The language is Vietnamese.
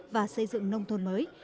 và xây dựng nông thôn mới